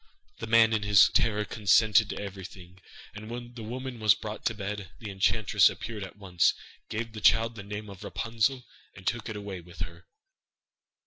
The man in his terror consented to everything, and when the woman was brought to bed, the enchantress appeared at once, gave the child the name of Rapunzel, and took it away with her.